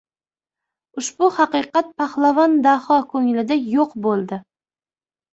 Ushbu haqiqat Pahlavon Daho ko‘nglida yo‘q bo‘ldi!